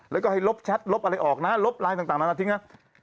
แล้วก็ให้ลบแชทลบอะไรออกนะลบไลน์ต่างนั้นมาทิ้งนะ